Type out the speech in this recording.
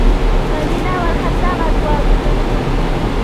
ښځينه وارخطا غږ واورېدل شو: